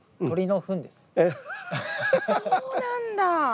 そうなんだ！